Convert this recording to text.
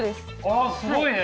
あすごいね。